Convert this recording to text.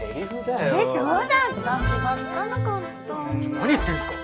何言ってんすか。